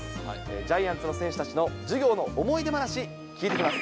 ジャイアンツの選手たちの授業の思い出話、聞いてきます。